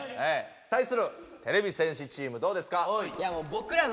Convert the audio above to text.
対するてれび戦士チームどうですか？